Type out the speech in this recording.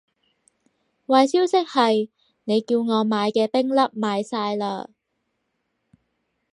壞消息係，你叫我買嘅冰粒賣晒喇